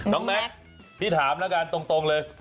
แม็กซ์พี่ถามแล้วกันตรงเลย